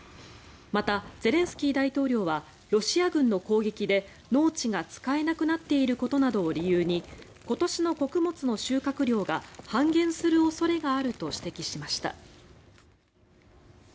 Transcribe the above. また、ゼレンスキー大統領はロシア軍の攻撃で農地が使えなくなっていることなどを理由に今年の穀物の収穫量が半減する恐れがあると指摘しました。